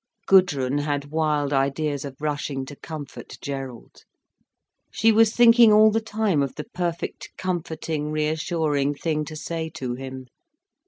Gudrun had wild ideas of rushing to comfort Gerald. She was thinking all the time of the perfect comforting, reassuring thing to say to him.